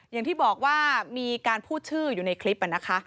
อย่างที่บอกว่ามีการพูดชื่ออยู่ในคลิปนะคะ